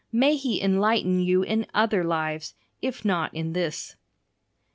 May He enlighten you in other lives, if not in this.